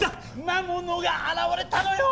魔物が現れたのよ！